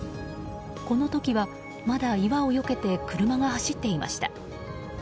この時は、まだ岩をよけて車が走っていました。